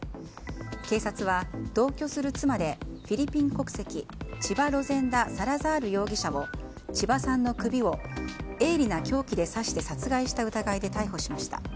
警察は同居する妻でフィリピン国籍チバ・ロゼンダ・サラザール容疑者を千葉さんの首を鋭利な凶器で刺して殺害した疑いで逮捕しました。